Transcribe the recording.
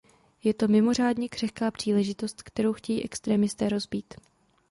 Je to mimořádně křehká příležitost, kterou chtějí extrémisté rozbít.